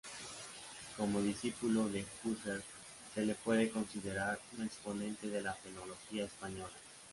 Como discípulo de Husserl se le puede considerar un exponente de la fenomenología española.